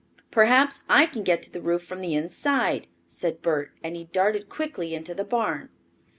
"Perhaps I can get to the roof from the inside," said Bert, and he darted quickly into the barn.